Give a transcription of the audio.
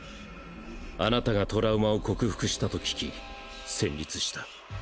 あなたがトラウマを克服したと聞き戦慄した。